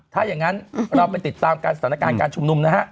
ถ้าอย่างนั้นเราไปติดตามการสถานการณ์การชุมนุมนะฮะ